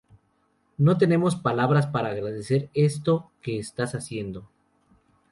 No tenemos palabras para agradecer esto que estás haciendo.